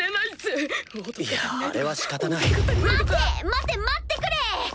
待て待ってくれ！